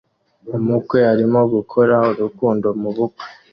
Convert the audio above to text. Umukwe arimo gukora urukundo mubukwe